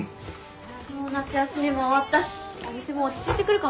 夏休みも終わったしお店も落ち着いてくるかもね。